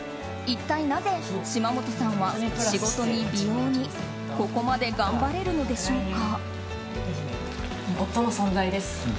一体なぜ島本さんは仕事に美容にここまで頑張れるのでしょうか。